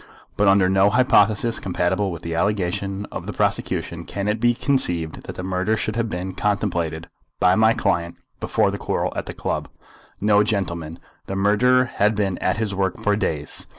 "But under no hypothesis compatible with the allegations of the prosecution can it be conceived that the murder should have been contemplated by my client before the quarrel at the club. No, gentlemen; the murderer had been at his work for days.